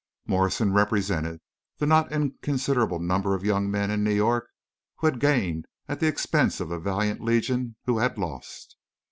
Morrison represented the not inconsiderable number of young men in New York who had gained at the expense of the valiant legion who had lost.